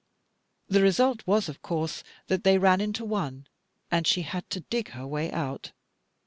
The result was of course that they ran into one, and she had to dig her way out.